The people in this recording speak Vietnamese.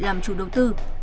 làm chủ đầu tư